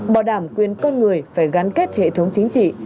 bảo đảm quyền con người phải gắn kết hệ thống chính trị